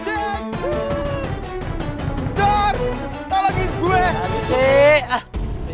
selama hidup tengah hari